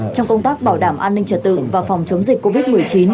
trong công tác bảo đảm an ninh trật tự và phòng chống dịch covid một mươi chín